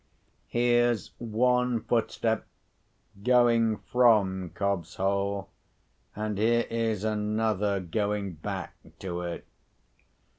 Here's one footstep going from Cobb's Hole; and here is another going back to it.